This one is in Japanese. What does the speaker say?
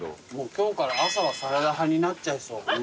今日から朝はサラダ派になっちゃいそう。